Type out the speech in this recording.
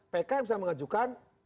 pk yang bisa mengajukan